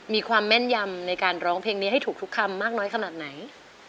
มีความแม่นยำในการร้องเพลงนี้ให้ถูกทุกคำมากน้อยขนาดไหน